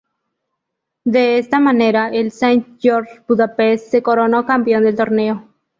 De esta manera el St George-Budapest se coronó campeón del torneo.